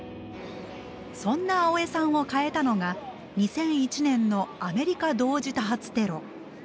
そんな青江さんを変えたのが２００１年のアメリカ同時多発テロ。